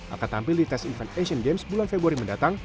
akan tampil di tes event asian games bulan februari mendatang